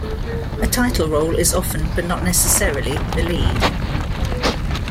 A title role is often but not necessarily the lead.